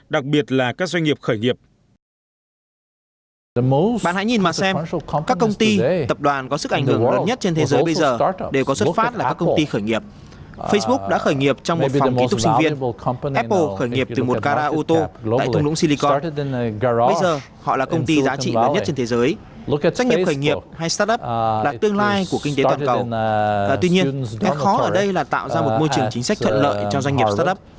đặc biệt là các doanh nghiệp khởi nghiệp